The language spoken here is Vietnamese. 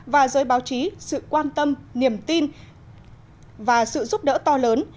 và giới báo chí sự quan tâm niềm tin và sự giúp đỡ to lớn